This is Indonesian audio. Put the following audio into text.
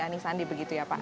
anies sandi begitu ya pak